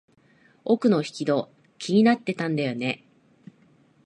奥の引き戸、気になってたんだよね。